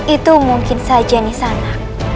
itu mungkin saja nisana